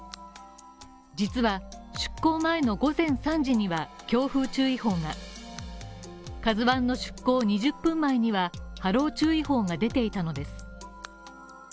実は出航前の午前３時には強風注意報が「ＫＡＺＵⅠ」の出航２０分前には波浪注意報が出ていたのです。